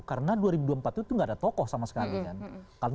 karena dua ribu dua puluh empat itu gak ada tokoh sama sekali kan